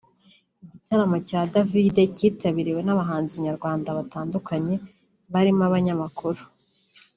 Igitaramo cya Davido kitabiriwe n’ abahanzi nyarwanda batandukanye barimo abanyamakuru